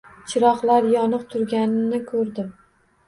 Chiroqlar yoniq turganini koʻrdim.